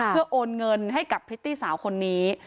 เพื่อโอนเงินให้กับพริตตี้สาวคนนี้